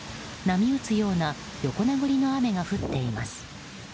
波打つような横殴りの雨が降っています。